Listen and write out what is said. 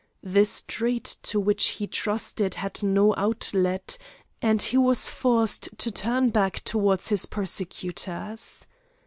The street to which he trusted had no outlet, and he was forced to turn back towards his persecutors.